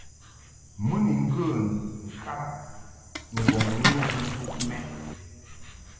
Mɨ ni ŋgə ŋkad ŋgɔŋ ŋu intuʼ mɛ›.